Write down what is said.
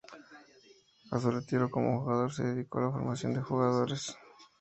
A su retiro como jugador se dedicó a la formación de jugadores.